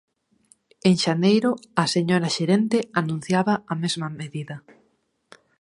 En xaneiro, a señora xerente anunciaba a mesma medida.